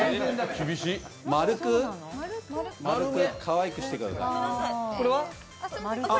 丸く、かわいくしてください。